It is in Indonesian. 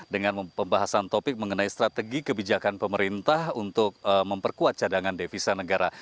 dengan pembahasan topik mengenai strategi kebijakan pemerintah untuk memperkuat cadangan devisa negara